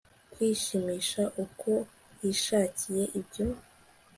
kwishimisha uko yishakiye, ibyo